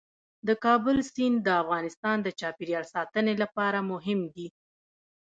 د کابل سیند د افغانستان د چاپیریال ساتنې لپاره مهم دي.